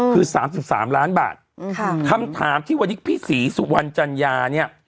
คือ๓๓ล้านบาทคำถามที่วันนี้พี่ศรีสุวรรณจัญญาเนี่ย